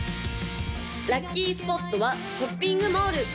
・ラッキースポットはショッピングモール